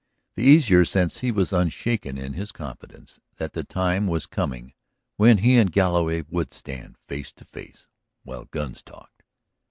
The easier since he was unshaken in his confidence that the time was coming when he and Galloway would stand face to face while guns talked.